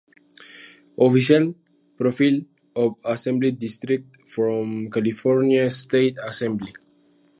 Official Profile of Assembly District from California State Assembly